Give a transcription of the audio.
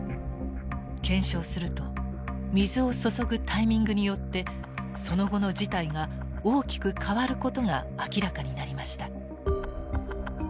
検証すると水を注ぐタイミングによってその後の事態が大きく変わることが明らかになりました。